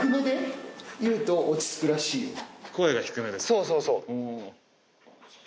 そうそうそう。